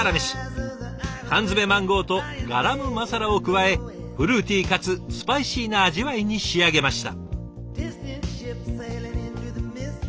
缶詰マンゴーとガラムマサラを加えフルーティーかつスパイシーな味わいに仕上げました。